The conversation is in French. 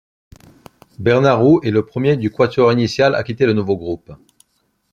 Bernard Roux est le premier du quatuor initial à quitter le nouveau groupe.